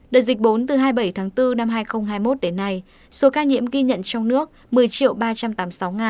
đợt dịch bốn từ hai mươi bảy tháng bốn năm hai nghìn hai mươi một đến nay số ca nhiễm ghi nhận trong nước một mươi ba trăm tám mươi sáu bảy trăm tám mươi sáu ca